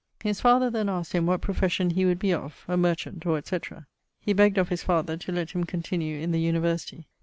His father then asked him what profession he would be of, a merchant or etc.? He begd of his father to lett him continue in the University.